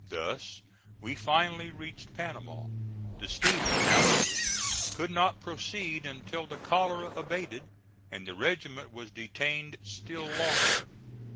Thus we finally reached Panama. The steamer, however, could not proceed until the cholera abated, and the regiment was detained still longer.